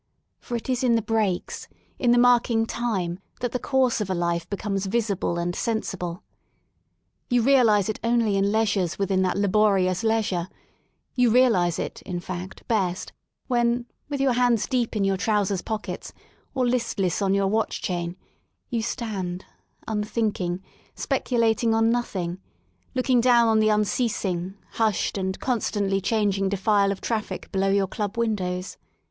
For it is in the breaks, in the marking time, that the course of a life becomes visible and sensible. You realise it only in leisures within that laborious leisure; you realise it, in fact, best when, with your hands deep in your trousers pockets, or listless on your watch chain, you stand, unthinking, speculating on nothing, looking down on the unceasing, hushed, and constantly changing defile of traffic below your club windows.